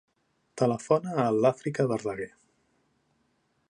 Telefona a l'Àfrica Verdaguer.